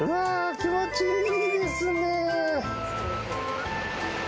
気持ちいいですね。